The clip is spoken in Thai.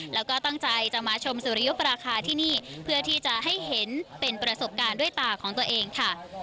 แล้วก็ตั้งใจจะมาชมสุริยุปราคาที่นี่เพื่อที่จะให้เห็นเป็นประสบการณ์ด้วยตาของตัวเองค่ะ